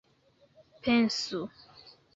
pensu